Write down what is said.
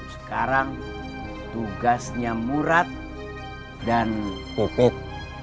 sekarang tugasnya murad dan pipit